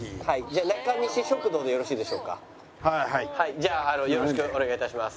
「じゃあよろしくお願い致します」